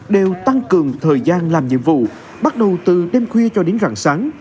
đều tăng cường thời gian làm nhiệm vụ bắt đầu từ đêm khuya cho đến rạng sáng